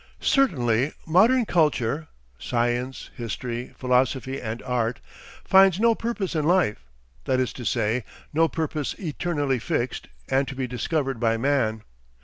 Certainly modern culture science, history, philosophy, and art finds no purpose in life: that is to say, no purpose eternally fixed and to be discovered by man.